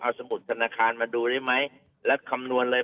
เอาสมุดธนาคารมาดูได้ไหมแล้วคำนวณเลย